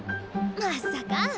まっさか。